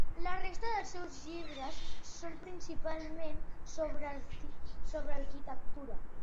La resta dels seus llibres són principalment sobre arquitectura.